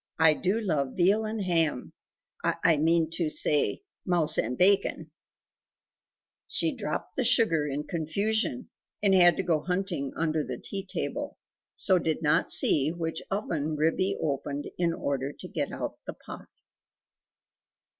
I do love veal and ham I mean to say mouse and bacon " She dropped the sugar in confusion, and had to go hunting under the tea table, so did not see which oven Ribby opened in order to get out the pie.